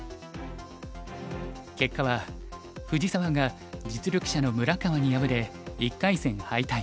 結果は藤沢が実力者の村川に敗れ１回戦敗退。